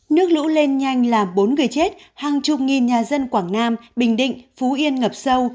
nước lũ lên nhanh làm bốn người chết hàng chục nghìn nhà dân quảng nam bình định phú yên ngập sâu